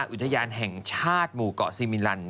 อุทยานแห่งชาติหมู่เกาะซีมิลัน